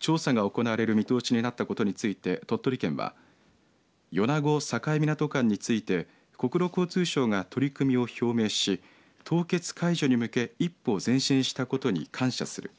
調査が行われる見通しになったことについて、鳥取県は米子・境港間について国土交通省が取り組みを表明し凍結解除に向け一歩前進したことに感謝する。